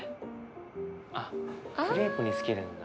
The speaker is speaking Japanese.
あっクレープにつけるんだ。